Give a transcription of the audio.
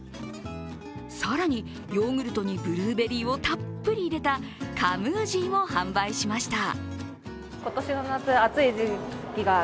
更にヨーグルトにブルーベリーをたっぷり入れたカムージーも販売しました。